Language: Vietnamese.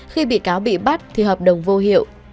khi bị cáo bị bắt thì hợp đồng vô hiệu